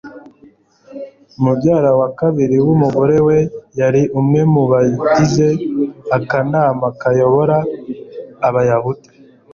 mubyara wa kabiri w'umugore we yari umwe mu bagize akanama kayobora abayahudi